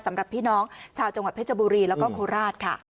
สำหรับพี่น้องชาวจังหวัดเพชรบุรีแล้วก็โคราชค่ะ